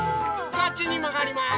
こっちにまがります。